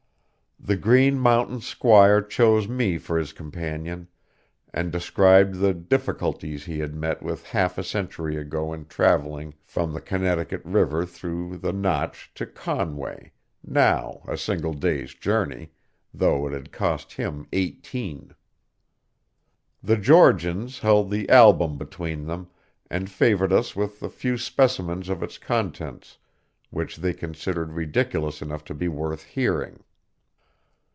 The Green Mountain squire chose me for his companion, and described the difficulties he had met with half a century ago in travelling from the Connecticut River through the Notch to Conway, now a single day's journey, though it had cost him eighteen. The Georgians held the album between them, and favored us with the few specimens of its contents which they considered ridiculous enough to be worth hearing.